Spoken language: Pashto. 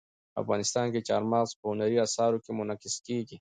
افغانستان کې چار مغز په هنري اثارو کې منعکس کېږي.